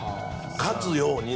勝つように。